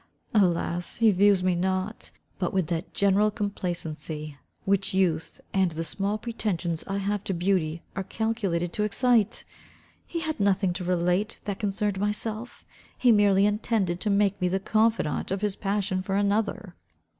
Alas, he views me not, but with that general complacency, which youth, and the small pretensions I have to beauty are calculated to excite! He had nothing to relate that concerned myself, he merely intended to make me the confidante of his passion for another.